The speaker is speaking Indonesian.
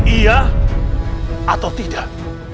iya atau tidak